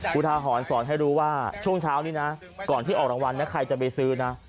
ทาหรณ์สอนให้รู้ว่าช่วงเช้านี้นะก่อนที่ออกรางวัลนะใครจะไปซื้อนะ